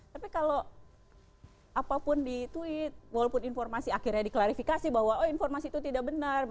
tapi kalau apapun di tweet walaupun informasi akhirnya diklarifikasi bahwa oh informasi itu tidak benar